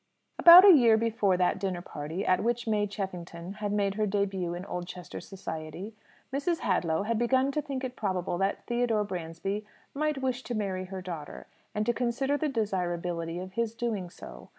About a year before that dinner party at which May Cheffington had made her début in Oldchester society, Mrs. Hadlow had begun to think it probable that Theodore Bransby might wish to marry her daughter, and to consider the desirability of his doing so.